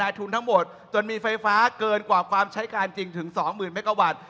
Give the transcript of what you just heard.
ทุนทั้งหมดจนมีไฟฟ้าเกินกว่าความใช้การจริงถึง๒๐๐๐เมกาวัตต์